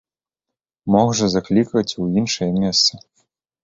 Мог жа заклікаць у іншае месца.